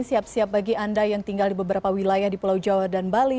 siap siap bagi anda yang tinggal di beberapa wilayah di pulau jawa dan bali